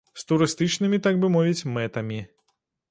З турыстычнымі, так бы мовіць, мэтамі.